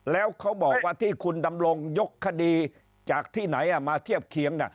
แล้วเขาบอกว่าที่คุณดำรงยกคดีจากที่ไหนมาเทียบเคียง